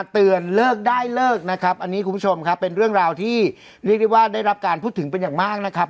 เลิกได้เลิกนะครับอันนี้คุณผู้ชมครับเป็นเรื่องราวที่เรียกได้ว่าได้รับการพูดถึงเป็นอย่างมากนะครับ